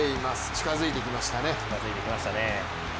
近づいてきましたね。